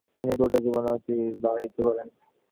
তিনি পুরোটা জীবন অতিবাহিত করেন।